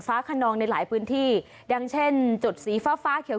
ฮัลโหลฮัลโหลฮัลโหลฮัลโหล